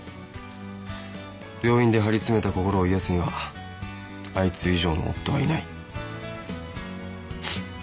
病院で張り詰めた心を癒やすにはあいつ以上の夫はいない。